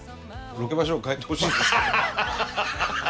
ロケ場所を変えてほしいです。